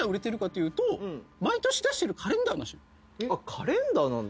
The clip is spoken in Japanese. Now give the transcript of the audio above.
カレンダーなんだ。